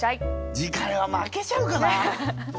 次回は負けちゃうかな。